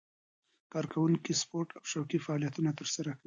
کارکوونکي سپورت او شوقي فعالیتونه ترسره کوي.